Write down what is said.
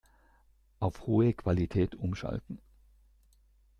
Auf hohe Qualität umschalten.